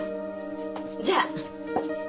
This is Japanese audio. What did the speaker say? じゃあ。